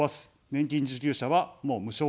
年金受給者は、もう無償化。